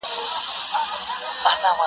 عمرونه وسول په تیارو کي دي رواني جرګې -